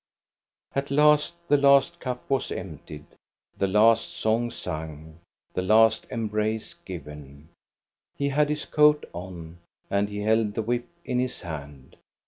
At last the last cup was emptied, the last song sung, the last embrace given. He had his coat on, and he held the whip in his hand.